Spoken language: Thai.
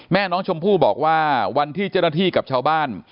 แม่น้องชมพู่บอกว่าวันที่เจ้าหน้าที่กับชาวบ้าน